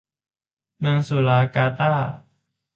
เมืองสุราการ์ตา